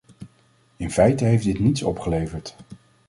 In feite heeft dit dan niets opgeleverd.